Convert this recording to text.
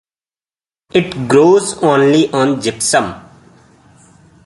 It grows only on gypsum.